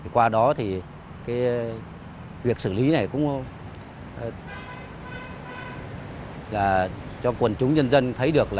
qua đó thì việc xử lý này cũng cho quần chúng nhân dân thấy được